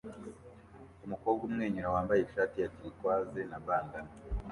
Umukobwa umwenyura wambaye ishati ya tourquoise na bandanna